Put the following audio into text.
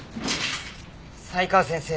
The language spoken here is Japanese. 才川先生